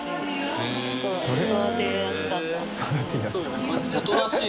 「育てやすかった」